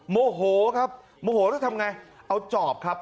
โมโหครับโมโหแล้วทำไงเอาจอบครับ